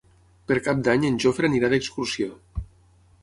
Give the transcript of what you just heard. Per Cap d'Any en Jofre anirà d'excursió.